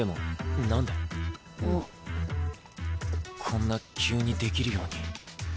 こんな急にできるように。